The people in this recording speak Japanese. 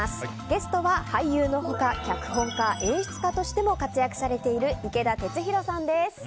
ゲストは俳優の他脚本家、演出家としても活躍されている池田テツヒロさんです。